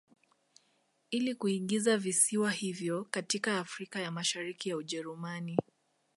Ili kuingiza visiwa hivyo katika Afrika ya Mashariki ya Ujerumani